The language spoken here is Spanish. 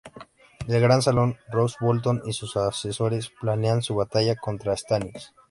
En el gran salón, Roose Bolton y sus asesores planean su batalla contra Stannis.